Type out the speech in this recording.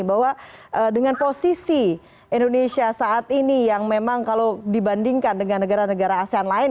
bahwa dengan posisi indonesia saat ini yang memang kalau dibandingkan dengan negara negara asean lain